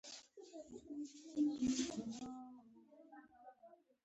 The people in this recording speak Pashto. کله چې افغانستان کې ولسواکي وي د بیان آزادي وي.